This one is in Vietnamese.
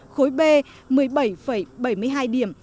khối b một mươi bảy bảy mươi hai điểm